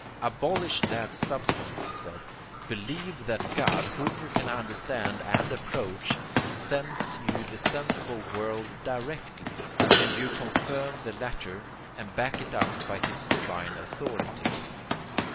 Abolish that substance, he said, believe that God, whom you can understand and approach, sends you the sensible world directly, and you confirm the latter and back it up by his divine authority.